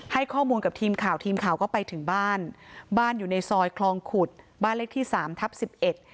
ให้ข้อมูลกับทีมข่าวทีมข่าวก็ไปถึงบ้านบ้านอยู่ในซอยคลองขุดบ้านเลขที่สามทับสิบเอ็ด